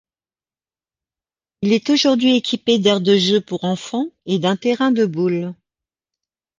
Il est aujourd'hui équipé d'aires de jeux pour enfants et d'un terrain de boules.